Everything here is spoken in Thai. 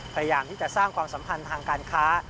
พยายามที่จะสร้างความสัมพันธ์ทางการค้า